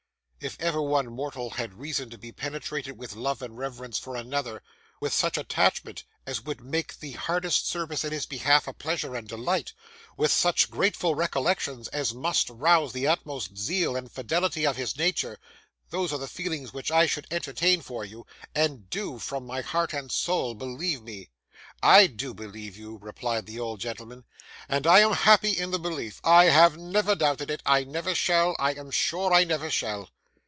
'If ever one mortal had reason to be penetrated with love and reverence for another: with such attachment as would make the hardest service in his behalf a pleasure and delight: with such grateful recollections as must rouse the utmost zeal and fidelity of his nature: those are the feelings which I should entertain for you, and do, from my heart and soul, believe me!' 'I do believe you,' replied the old gentleman, 'and I am happy in the belief. I have never doubted it; I never shall. I am sure I never shall.